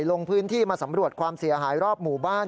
ลงพื้นที่มาสำรวจความเสียหายรอบหมู่บ้าน